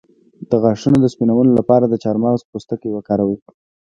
د غاښونو د سپینولو لپاره د چارمغز پوستکی وکاروئ